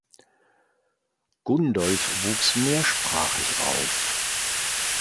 Gundolf wuchs mehrsprachig auf.